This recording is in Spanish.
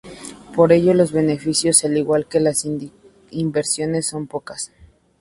Por ello, los beneficios al igual que las inversiones son pocas.